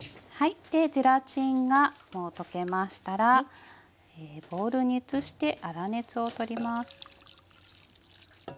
でゼラチンがもう溶けましたらボウルに移して粗熱を取ります。